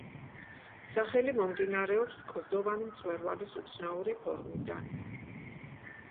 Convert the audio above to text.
სახელი მომდინარეობს კლდოვანი მწვერვალის უცნაური ფორმიდან.